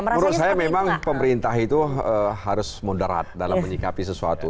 menurut saya memang pemerintah itu harus mundurat dalam menyikapi sesuatu